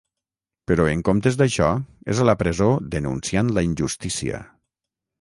Però en comptes d’això és a la presó ‘denunciant la injustícia’.